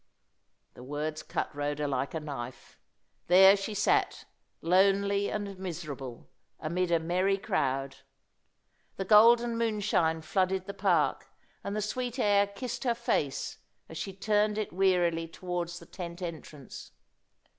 The words cut Rhoda like a knife. There she sat, lonely and miserable, amid a merry crowd. The golden moonshine flooded the park, and the sweet air kissed her face as she turned it wearily towards the tent entrance.